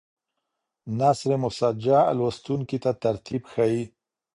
نثر مسجع لوستونکي ته ترتیب ښیي.